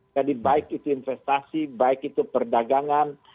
jadi baik itu investasi baik itu perdagangan